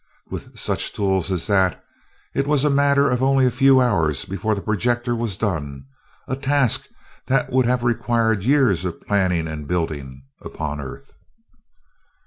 With such tools as that, it was a matter of only a few hours before the projector was done a task that would have required years of planning and building upon Earth.